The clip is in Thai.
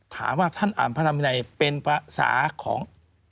ถามว่าท่านอ่านพระธรรมวินัยเป็นภาษาของ